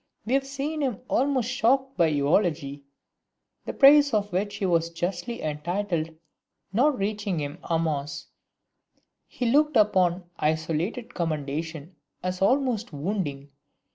We have seen him almost shocked by eulogy. The praise to which he was justly entitled not reaching him EN MASSE, he looked upon isolated commendation as almost wounding.